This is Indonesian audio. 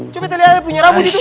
coba lihat punya rambut itu